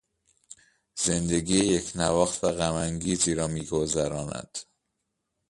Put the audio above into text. زندگی یکنواخت و غمانگیزی را میگذراند.